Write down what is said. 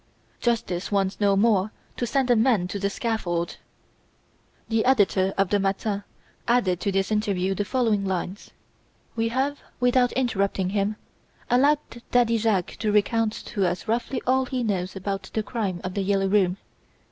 Justice wants no more to send a man to the scaffold!'" The editor of the "Matin" added to this interview the following lines: "We have, without interrupting him, allowed Daddy Jacques to recount to us roughly all he knows about the crime of "The Yellow Room".